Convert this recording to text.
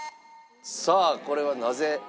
さあこれはなぜ？